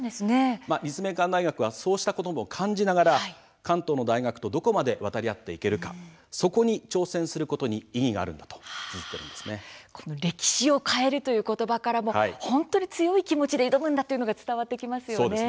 立命館大学は、そうした力の差も感じながら関東の大学とどこまで渡り合っていけるかそこに挑戦することに歴史を変えるという言葉からも強い気持ちで挑むんだという感じが伝わってきます。